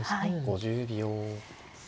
５０秒。